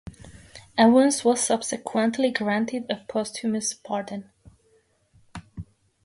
Evans was subsequently granted a posthumous pardon.